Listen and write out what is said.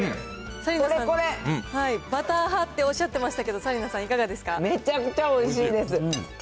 紗理奈さん、バター派っておっしゃってましたけど、紗理奈さん、いかがですかめちゃくちゃおいしいです。